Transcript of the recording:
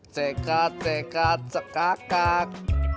cekat cekat cekat